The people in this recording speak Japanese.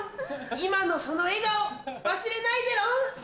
今のその笑顔忘れないでロン。